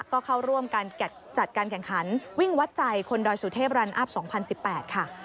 ก็เข้าร่วมการจัดการแข่งขันวิ่งวัดใจคนดอยสุเทพรันอัพ๒๐๑๘ค่ะ